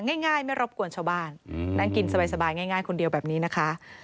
ง่ายไม่รบกวนชาวบ้านนั่งกินสบายง่ายคนเดียวแบบนี้นะคะ